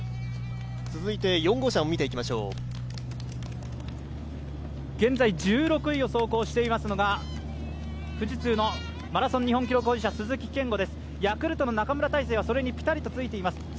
続いて４号車も見ていきましょう現在１６位を走行していますのが富士通のマラソン日本記録保持者ヤクルトの中村大聖がそれにぴたりとついています。